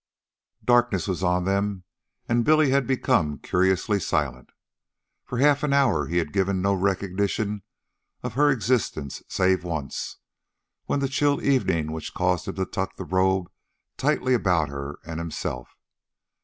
Darkness was on them, and Billy had become curiously silent. For half an hour he had given no recognition of her existence save once, when the chill evening wind caused him to tuck the robe tightly about her and himself.